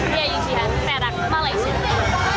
ria yusihan serak malaysia